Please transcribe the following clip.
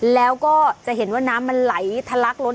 แล้วก็จะเห็นว่าน้ำมันไหลทะลักล้น